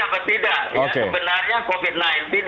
apa tidak ya sebenarnya covid sembilan belas